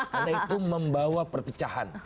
karena itu membawa perpecahan